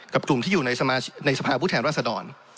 กับกลุ่มที่อยู่ในสภาวุฒิแทนราษฎร